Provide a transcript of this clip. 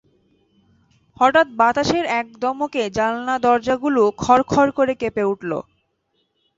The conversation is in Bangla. হঠাৎ বাতাসের এক দমকে জানলাদরজাগুলো খড় খড় করে কেঁপে উঠল।